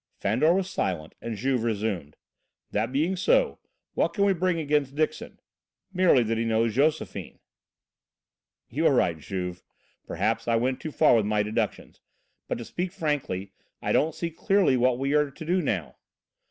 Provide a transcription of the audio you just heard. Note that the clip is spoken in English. Fandor was silent and Juve resumed: "That being so, what can we bring against Dixon? Merely that he knows Josephine." "You are right, Juve; perhaps I went too far with my deductions, but to speak frankly, I don't see clearly what we are to do now.